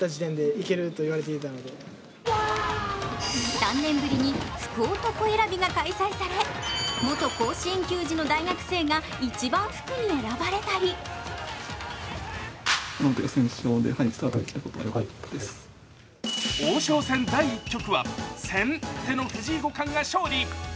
３年ぶりに福男選びが開催され元甲子園球児の大学生が一番福に選ばれたり王将戦第１局は先手の藤井五冠が勝利。